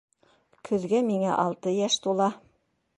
Көҙгә миңә алты йәш тула.